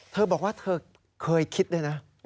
เธอบอกว่าเธอเคยคิดด้วยนะ